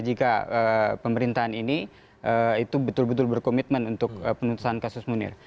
jika pemerintahan ini itu betul betul berkomitmen untuk penuntasan kasus munir